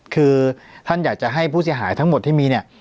คือท่านอยากจะให้ผู้เสียหายทั้งหมดที่มีเนี่ย